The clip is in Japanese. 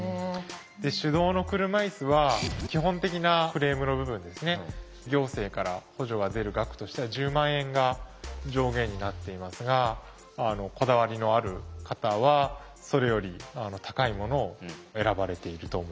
で手動の車いすは基本的なフレームの部分ですね行政から補助が出る額としては１０万円が上限になっていますがこだわりのある方はそれより高いものを選ばれていると思いますね。